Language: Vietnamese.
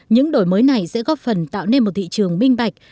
những đổi mới này sẽ góp phần tạo nên một thị trường minh bạch